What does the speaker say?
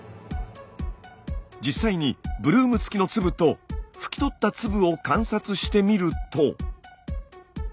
実際にブルーム付きの粒と拭き取った粒を観察してみると。